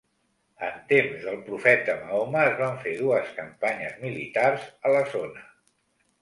En temps del profeta Mahoma es van fer dues campanyes militars a la zona.